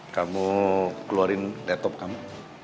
kamu keluarin laptop kamu